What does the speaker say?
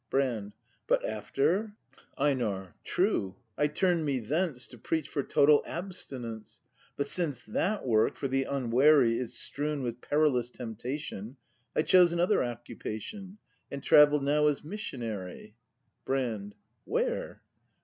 Brand. But after ? EiNAR. True; I turn'd me thence. To preach for Total Abstinence; But since that Work for the unwary Is strewn with perilous temptation, I chose another occupation. And travel now as Missionary Brand. Where